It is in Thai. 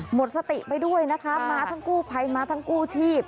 หมดสติไปด้วยนะคะมาทั้งกู้ภัยมาทั้งกู้ชีพ